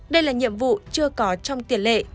đây là nhiệm vụ chưa có trong tiền lệ